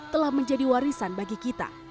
telah menjadi warisan bagi kita